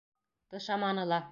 Тышаманы ла.